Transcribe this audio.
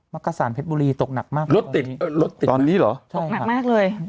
กษานเพชรบุรีตกหนักมากรถติดรถติดตอนนี้เหรอตกหนักมากเลย